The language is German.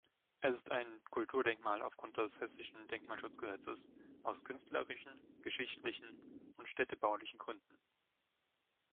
Es ist ein Kulturdenkmal aufgrund des Hessischen Denkmalschutzgesetzes aus künstlerischen, geschichtlichen und städtebaulichen Gründen.